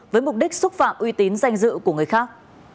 với mục đích xúc phạm uy tín danh dự của người khác